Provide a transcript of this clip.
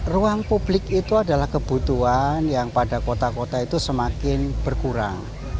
ruang publik itu adalah kebutuhan yang pada kota kota itu semakin berkurang